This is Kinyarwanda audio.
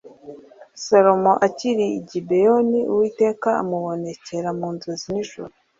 Salomo akiri i Gibeyoni Uwiteka amubonekera mu nzozi nijoro